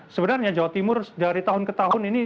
sebenarnya jawa timur dari tahun ke tahun ini